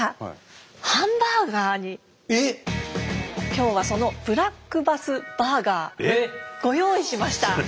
今日はそのブラックバスバーガーご用意しました。